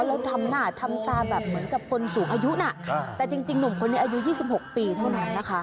แล้วทำหน้าทำตาแบบเหมือนกับคนสูงอายุนะแต่จริงหนุ่มคนนี้อายุ๒๖ปีเท่านั้นนะคะ